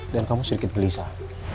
dan kamu sedikit gelisah